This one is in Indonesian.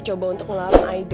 gak bukan pekerjaan ini aida